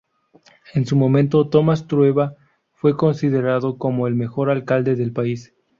En su momento, Tomás Trueba fue considerado como el mejor alcalde del país.